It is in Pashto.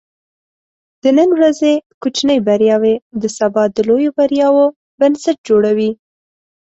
د نن ورځې کوچني بریاوې د سبا د لویو بریاوو بنسټ جوړوي.